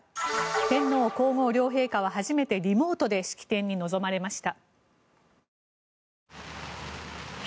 天皇・皇后両陛下は初めてリモートで式典に臨まれました。